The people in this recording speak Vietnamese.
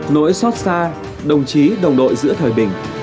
nỗi xót xa đồng chí đồng đội giữa thời bình